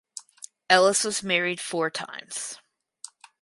Ellis was married four times.